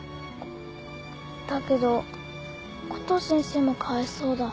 だけどコトー先生もかわいそうだ。